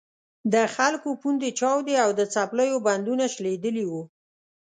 د خلکو پوندې چاودې او د څپلیو بندونه شلېدلي وو.